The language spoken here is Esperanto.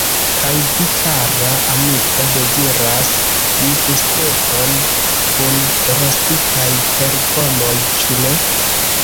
Kaj vi, kara amiko, deziras bifstekon kun rostitaj terpomoj, ĉu ne?